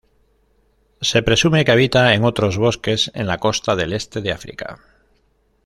Se presume que habita en otros bosques en la costa del este de África.